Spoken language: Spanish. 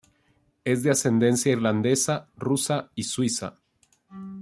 Es de ascendencia irlandesa, rusa y suiza.